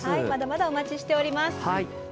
まだまだお待ちしております。